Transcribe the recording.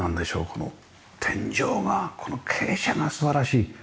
この天井がこの傾斜が素晴らしい。